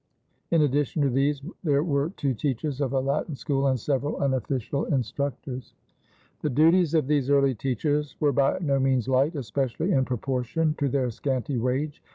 In addition to these there were two teachers of a Latin school and several unofficial instructors. The duties of these early teachers were by no means light, especially in proportion to their scanty wage.